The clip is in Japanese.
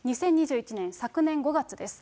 ２０２１年、昨年５月です。